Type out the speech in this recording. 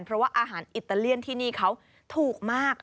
เพราะว่าอาหารอิตาเลียนที่นี่เขาถูกมาก